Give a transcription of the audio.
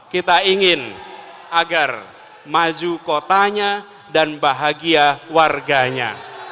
kita ingin agar maju kotanya dan bahagia warganya